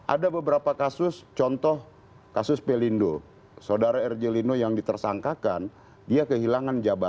ada beberapa kasus contoh kasus pelindo sodara erjelindo yang ditersangkakan dia kehilangan jabatan